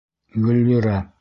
Гөллирә!